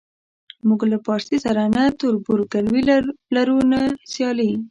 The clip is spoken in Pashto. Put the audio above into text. موږ له پارسي سره نه تربورګلوي لرو نه سیالي.